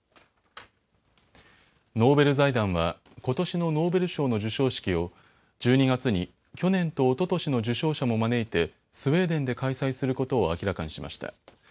ノーベル財団はことしのノーベル賞の授賞式を１２月に去年とおととしの受賞者も招いてスウェーデンで開催することを明らかにしました。